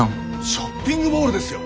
ショッピングモールですよ。